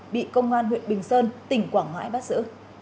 bị công an huyện bình sơn tỉnh quảng ngãi bắt giữ